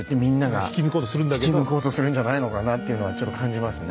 引き抜こうとするんじゃないのかなっていうのはちょっと感じますね。